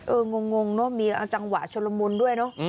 งงเนอะมีจังหวะชุลมุนด้วยเนอะ